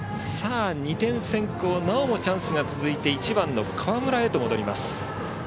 ２点先行なおもチャンスが続いて打順は１番の河村へと戻ります。